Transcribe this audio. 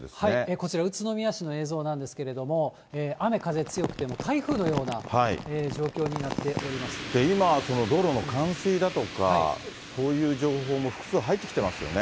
こちら、宇都宮市の映像なんですけれども、雨、風強くて、今、道路の冠水だとか、そういう情報も複数入ってきていますよね。